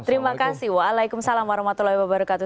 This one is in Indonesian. terima kasih waalaikumsalam warahmatullahi wabarakatuh